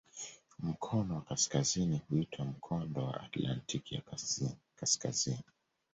Mkono wa kaskazini huitwa "Mkondo wa Atlantiki ya Kaskazini".